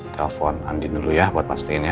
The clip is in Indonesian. telepon andi dulu ya buat pastiin ya